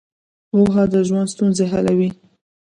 پوهه د ژوند ستونزې حلوي.